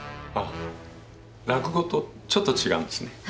あ落語とちょっと違うんですね。